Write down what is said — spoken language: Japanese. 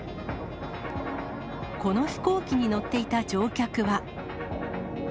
この飛行機に乗っていた乗客は。